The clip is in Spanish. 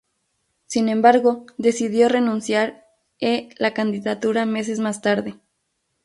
Sin embargo, decidió renunciar e la candidatura meses más tarde.